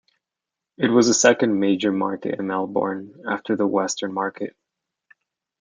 It was the second major market in Melbourne, after the Western Market.